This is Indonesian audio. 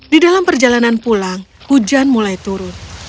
di dalam perjalanan pulang hujan mulai turun